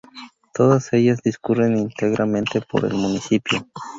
Todas ellas discurren íntegramente por el municipio.